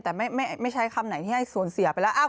แต่ไม่ใช้คำไหนที่ให้สูญเสียไปแล้ว